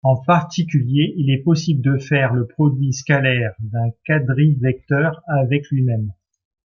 En particulier, il est possible de faire le produit scalaire d'un quadrivecteur avec lui-même.